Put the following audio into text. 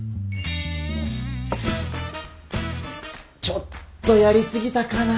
ちょっとやり過ぎたかな。